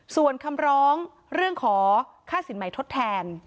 ส่วนคำร้องเรื่องขอค่าสินใหม่ทดแทน